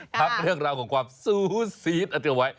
พักเรื่องราวของความซูซีดอาจจะไว้